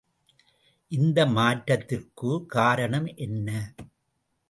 இந்த மாற்றத்திற்குக் காரணம் என்ன?